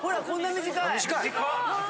短い！